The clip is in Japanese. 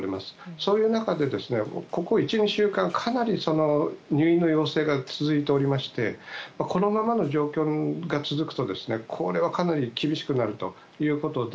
そういう中でここ１２週間かなり入院の要請が続いておりましてこのままの状況が続くとこれはかなり厳しくなるということで